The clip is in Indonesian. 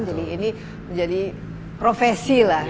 jadi ini menjadi profesi lah